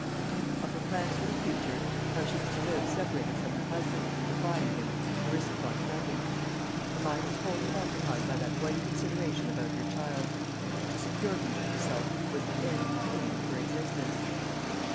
Of her plans for the future how she was to live separated from her husband, and defying him Clarissa thought nothing. Her mind was wholly occupied by that one consideration about her child. To secure him to herself was the end and aim of her existence.